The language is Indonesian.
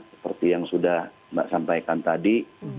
seperti yang sudah mbak sampaikan tadi